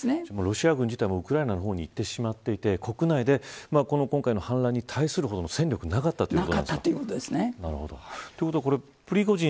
ロシア軍自体もウクライナの方に行ってしまっていて国内で今回の反乱に対する戦力がなかったなかったということですね。